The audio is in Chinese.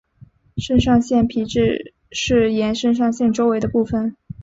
肾上腺皮质是沿肾上腺周围的部分。